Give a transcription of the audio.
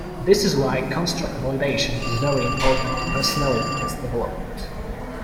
This is why construct validation is very important to personality test development.